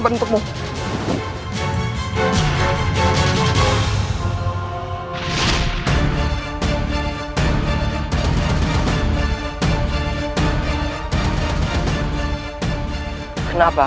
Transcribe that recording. berseperti ke talluh